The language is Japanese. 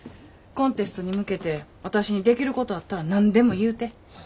コンテストに向けて私にできることあったら何でも言うて。